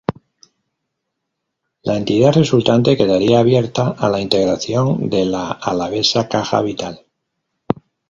La entidad resultante quedaría abierta a la integración de la alavesa Caja Vital.